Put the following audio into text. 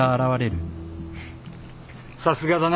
さすがだな。